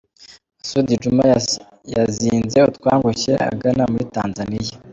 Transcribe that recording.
Masud Djuma yazinze utwangushye agana muri Tanzania.